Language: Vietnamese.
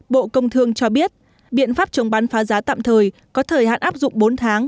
bộ công thương cho biết biện pháp chống bán phá giá tạm thời có thời hạn áp dụng bốn tháng